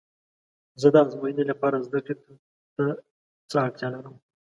زه د ازموینې لپاره زده کړې ته څه اړتیا لرم؟